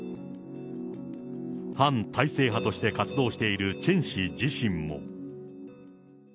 反体制派として活動しているチェン氏自身も。